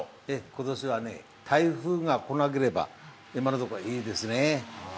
今年は台風が来なければ、今のところはいいですね。